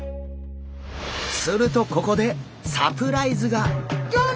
するとここでサプライズが！